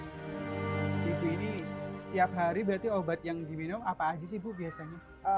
ibu ini setiap hari berarti obat yang diminum apa aja sih bu biasanya